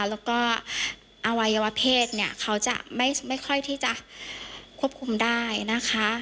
แล้วก็อวัยวะเพศเนี่ยเขาจะไม่ค่อยที่จะควบคุมได้นะคะ